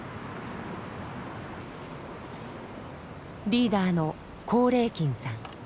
リーダーの光礼金さん。